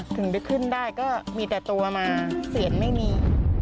ถึงไปขึ้นได้ก็มีแต่ตัวมาเสียงไม่มี